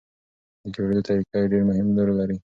د جوړېدو طریقه یې ډېر مهم رول لري.